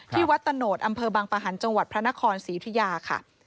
วัดตะโนธอำเภอบางปะหันต์จังหวัดพระนครศรีอุทิยาค่ะ